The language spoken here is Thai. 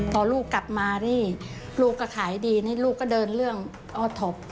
พอลูกกลับมานี่ลูกก็ขายดีนี่ลูกก็เดินเรื่องออท็อป